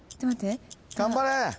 ・頑張れ！